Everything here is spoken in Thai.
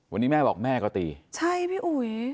วันนี้แม่บอกแม่ก็ตีใช่พี่อุ๋ย